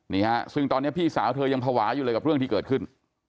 นี่ฮะซึ่งตอนนี้พี่สาวเธอยังภาวะอยู่เลยกับเรื่องที่เกิดขึ้น